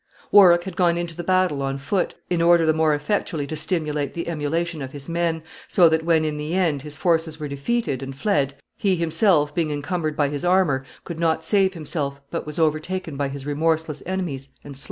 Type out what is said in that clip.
] Warwick had gone into the battle on foot, in order the more effectually to stimulate the emulation of his men, so that when, in the end, his forces were defeated, and fled, he himself, being encumbered by his armor, could not save himself, but was overtaken by his remorseless enemies and slain.